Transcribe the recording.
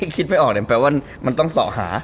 คิดไม่ออกเนี่ยแปลว่ามันต้องสอหา